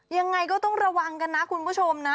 ยังไงก็ต้องระวังกันนะคุณผู้ชมนะ